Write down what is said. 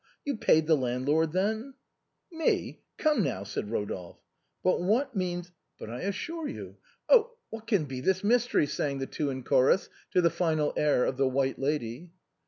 " You paid the land lord, then !"" Me ! Come now !" said Eodolphe. " But what means —"" But I assure you —"" Oh, what can be this mystery ?" sank the two in chorus to the final air of " The White Lady."